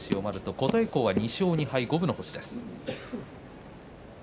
琴恵光は２勝２敗の五分です。